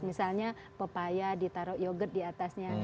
misalnya pepaya ditaruh yogurt diatasnya